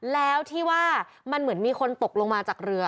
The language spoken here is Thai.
แล้วที่ว่ามันเหมือนมีคนตกลงมาจากเรือ